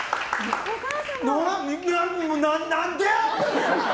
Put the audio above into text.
何で？